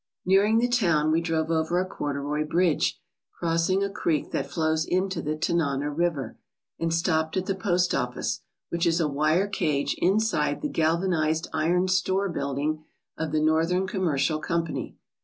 Nearing the town, we drove over a corduroy bridge, crossing a creek that flows into the Tanana River, and stopped at the post office, which is a wire cage inside the galvanized iron store building of the Northern Com mercial Company.